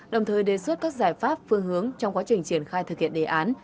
đồng thời đề xuất các giải pháp phương hướng trong quá trình triển khai thực hiện đề án